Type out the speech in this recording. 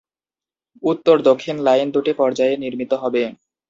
উত্তর-দক্ষিণ line দুটি পর্যায়ে নির্মিত হবে।